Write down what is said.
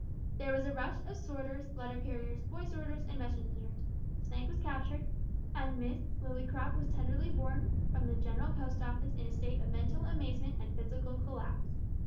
There was a rush of sorters, letter carriers, boy sorters, and messengers; the snake was captured, and Miss Lillycrop was tenderly borne from the General Post Office in a state of mental amazement and physical collapse.